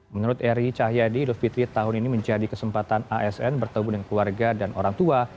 menurut eri cahyadi idul fitri tahun ini menjadi kesempatan asn bertemu dengan keluarga dan orang tua